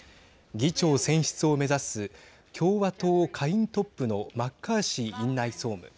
議長選出を目指す共和党下院トップのマッカーシー院内総務。